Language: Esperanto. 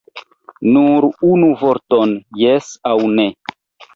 Nur unu vorton jes aŭ ne!